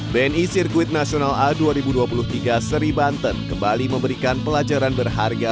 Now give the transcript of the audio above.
bni sirkuit nasional a dua ribu dua puluh tiga seri banten kembali memberikan pelajaran berharga